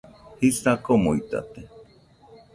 Jisa komuitate